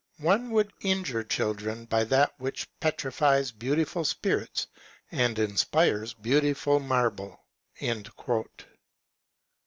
One would injure children by that which petrifies beautiful spirits and inspires be|iutiful marble."